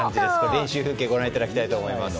練習風景ご覧いただきたいと思います。